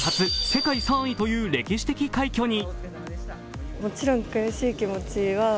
世界３位という歴史的快挙に。